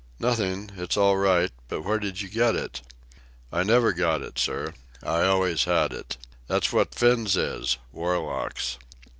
"Nothing. It's all right. But where did you get it?" "I never got it, sir. I always had it. That's what Finns is—warlocks."